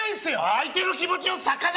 相手の気持ちを「さかな」